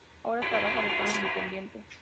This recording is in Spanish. Ahora trabaja de forma independiente.